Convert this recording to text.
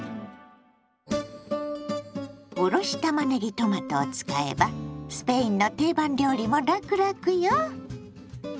おろしたまねぎトマトを使えばスペインの定番料理もラクラクよ！